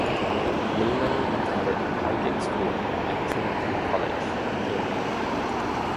Lehmann attended Highgate School and Trinity College, Cambridge.